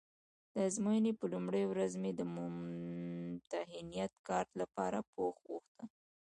د ازموینې په لومړۍ ورځ مې د ممتحنیت کارت لپاره پوښ غوښته.